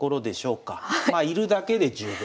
まあ居るだけで十分。